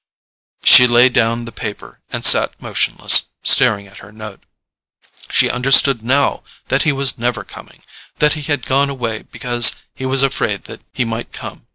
She laid down the paper and sat motionless, staring at her note. She understood now that he was never coming—that he had gone away because he was afraid that he might come.